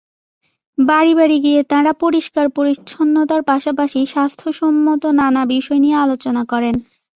বাড়ি বাড়ি গিয়ে তাঁরা পরিষ্কার-পরিচ্ছন্নতার পাশাপাশি স্বাস্থ্যসমঞ্চত নানা বিষয় নিয়ে আলোচনা করেন।